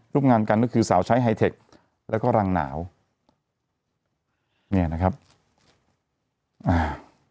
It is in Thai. ร่วมงานกันก็คือสาวใช้ไฮเทคแล้วก็รังหนาวเนี่ยนะครับอ่า